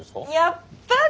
やっぱり！